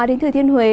đến thừa thiên huế